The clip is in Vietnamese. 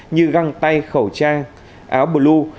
như găng tay khẩu trang áo blue